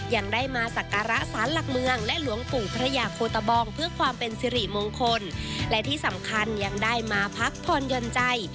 ยังได้มาสักการะสารหลักเมืองและหลวงปู่พระยาโคตะบองเพื่อความเป็นสิริมงคลและที่สำคัญยังได้มาพักผ่อนยนต์ใจ